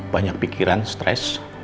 banyak pikiran stress